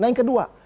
nah yang kedua